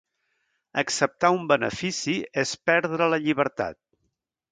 Acceptar un benefici és perdre la llibertat.